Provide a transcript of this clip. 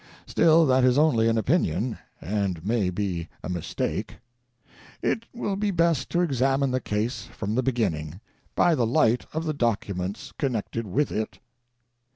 Still, that is only an opinion, and may be a mistake. It will be best to examine the case from the beginning, by the light of the documents connected with it.